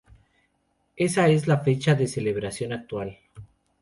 Esa es la fecha de celebración actual.